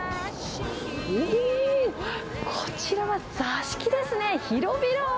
うおー、こちらは座敷ですね、広々。